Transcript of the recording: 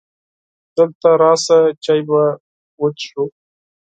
دلته راشه! چای به وڅښو .